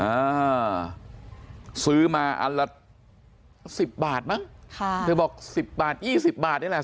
อ่าซื้อมาอันละสิบบาทมั้งค่ะเธอบอกสิบบาทยี่สิบบาทนี่แหละ